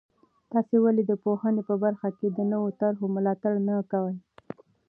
تاسې ولې د پوهنې په برخه کې د نویو طرحو ملاتړ نه کوئ؟